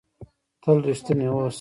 تل رښتنی اوسهٔ.